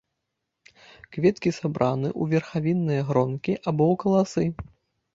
Кветкі сабраны ў верхавінныя гронкі або ў каласы.